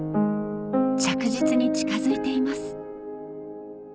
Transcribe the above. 着実に近づいています